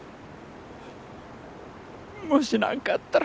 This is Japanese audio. もし何かあったら。